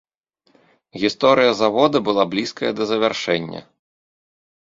Гісторыя завода была блізкая да завяршэння.